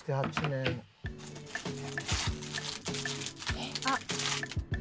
えっ？あっ。